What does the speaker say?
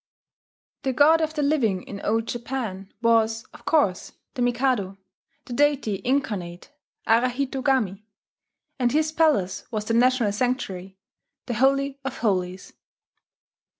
... The God of the Living in Old Japan was, of course, the Mikado, the deity incarnate, Arahito gami, and his palace was the national sanctuary, the Holy of Holies.